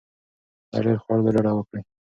له ډیر خوړلو ډډه وکړئ.